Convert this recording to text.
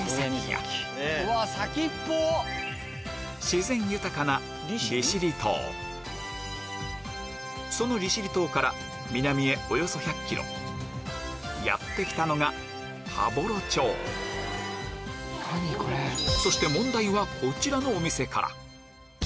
自然豊かなその利尻島から南へおよそ１００ｋｍやって来たのがそして早押しでお答えください。